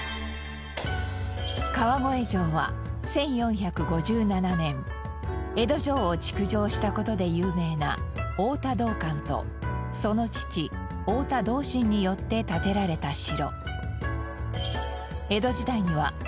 川越城は１４５７年江戸城を築城した事で有名な太田道灌とその父太田道真によって建てられた城。